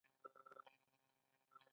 ایا زه باید انرژي څښاک وڅښم؟